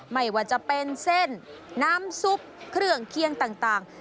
ไม่ว่าจะเป็นเส้นน้ำซุปเครื่องเคียงต่าง